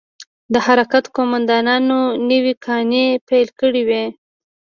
د حرکت قومندانانو نوې کانې پيل کړې وې.